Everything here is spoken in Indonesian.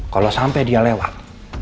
kalau sampai dia lewat